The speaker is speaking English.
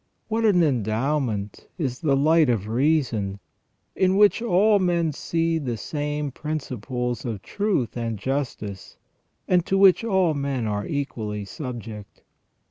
What an endowment is the light of reason, in which all men see the same principles of truth and justice, and to which all men are equally subject